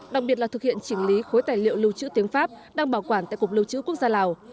đặc biệt là thực hiện chỉnh lý khối tài liệu lưu trữ tiếng pháp đang bảo quản tại cục lưu trữ quốc gia lào